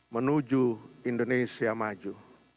menuju indonesia maju